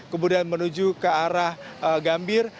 kemudian menuju ke arah gambir